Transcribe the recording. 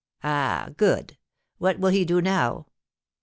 "Ah, good! What will he do now?"